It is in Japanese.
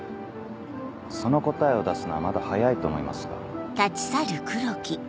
その答えを出すのはまだ早いと思いますが。